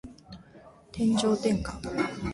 天上天下